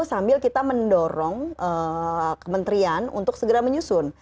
sambil kita mendorong kementerian untuk segera menyusun